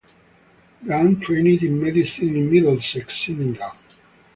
Gann trained in medicine in Middlesex, England.